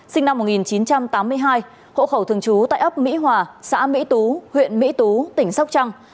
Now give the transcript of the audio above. sinh năm một nghìn chín trăm tám mươi hai hộ khẩu thường trú tại ấp mỹ hòa xã mỹ tú huyện mỹ tú tỉnh sóc trăng